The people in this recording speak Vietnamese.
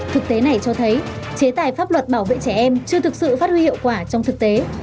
thực tế này cho thấy chế tài pháp luật bảo vệ trẻ em chưa thực sự phát huy hiệu quả trong thực tế